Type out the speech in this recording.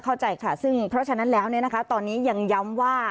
เข้าใจค่ะซึ่งเพราะฉะนั้นแล้วตอนนี้ยังย้ำว่า